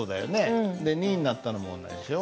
で２位になったのも同じでしょ。